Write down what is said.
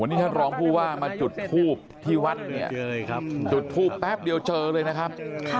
วันนี้ท่านรองผู้ว่ามาจุดทูบที่วัดเนี่ยจุดทูปแป๊บเดียวเจอเลยนะครับ